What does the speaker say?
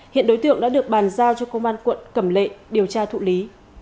hiện đối tượng đã được bàn giao cho công an quận cẩm lệ điều tra thụ lý